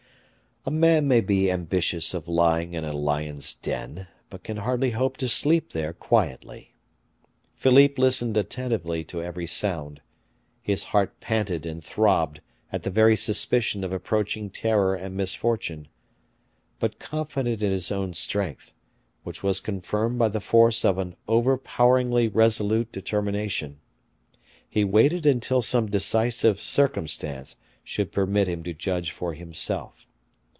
A man may be ambitious of lying in a lion's den, but can hardly hope to sleep there quietly. Philippe listened attentively to every sound; his heart panted and throbbed at the very suspicion of approaching terror and misfortune; but confident in his own strength, which was confirmed by the force of an overpoweringly resolute determination, he waited until some decisive circumstance should permit him to judge for himself.